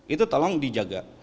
itu tolong dijaga